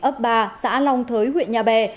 ấp ba xã long thới huyện nhà bè